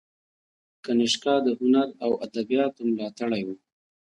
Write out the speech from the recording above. کنیشکا د هنر او ادبیاتو ملاتړی و